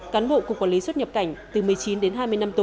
cán bộ cục quản lý xuất nhập cảnh từ một mươi chín đến hai mươi năm tù